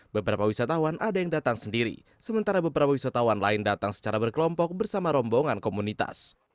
beberapa wisatawan ada yang datang sendiri sementara beberapa wisatawan lain datang secara berkelompok bersama rombongan komunitas